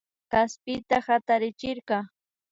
Kaspita hatarichirka